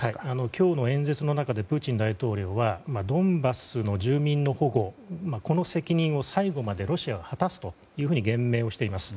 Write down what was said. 今日の演説の中でプーチン大統領はドンバスの住民の保護この責任を最後までロシアは果たすと言明しています。